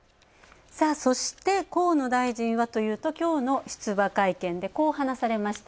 そして、河野大臣は、きょうの出馬会見でこう、話されました。